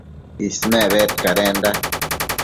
Ismec bedcadenda